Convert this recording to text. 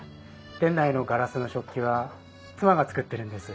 店内のガラスの食器は妻が作ってるんです。